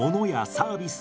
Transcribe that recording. サービス。